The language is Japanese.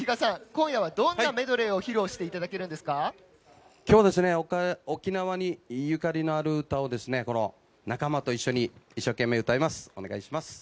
今夜はどんなメドレーを披露して今日は沖縄にゆかりのある歌を仲間と一緒に一生懸命歌います。